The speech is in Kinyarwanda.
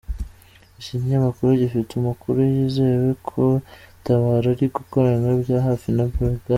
Iki kinyamakuru gifite amakuru yizewe ko Tabaro ari gukorana bya hafi na Brig.